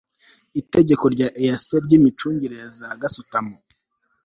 Itegeko rya EAC ry Imicungire ya za Gasutamo